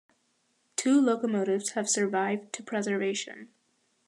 Two locomotives have survived to preservation.